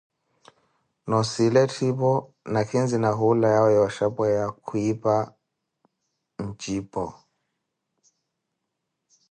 Noosila etthipo nakhinzi, na hula yawe yooxhapeya, khwipa ncipu.